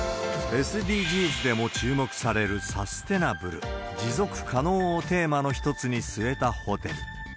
ＳＤＧｓでも注目されるサステナブル・持続可能をテーマに一つに据えたホテル。